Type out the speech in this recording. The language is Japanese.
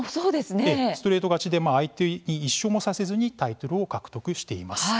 ストレート勝ちで相手に１勝もさせずにタイトルを獲得しています。